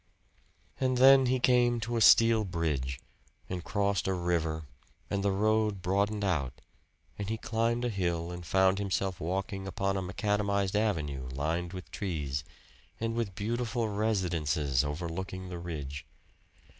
And then he came to a steel bridge and crossed a river and the road broadened out, and he climbed a hill and found himself walking upon a macadamized avenue lined with trees, and with beautiful residences overlooking the ridge.